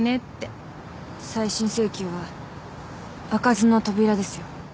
再審請求は開かずの扉ですよ。